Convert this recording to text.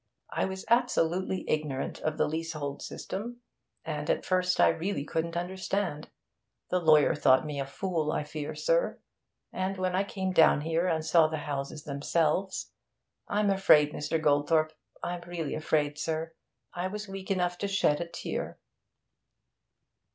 I was absolutely ignorant of the leasehold system; and at first I really couldn't understand. The lawyer thought me a fool, I fear, sir. And when I came down here and saw the houses themselves! I'm afraid, Mr. Goldthorpe, I'm really afraid, sir, I was weak enough to shed a tear.'